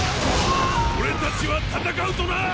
俺たちは戦うとな‼